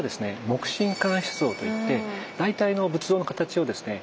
木心乾漆像と言って大体の仏像の形をですね